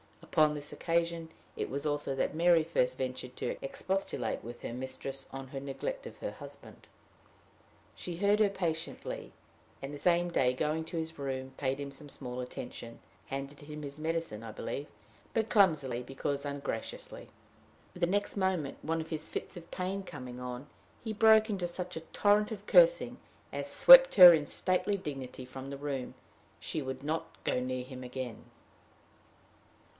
Upon this occasion it was also that Mary first ventured to expostulate with her mistress on her neglect of her husband. She heard her patiently; and the same day, going to his room, paid him some small attention handed him his medicine, I believe, but clumsily, because ungraciously. The next moment, one of his fits of pain coming on, he broke into such a torrent of cursing as swept her in stately dignity from the room. She would not go near him again.